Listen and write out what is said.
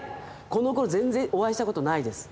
このころ全然お会いしたことないです。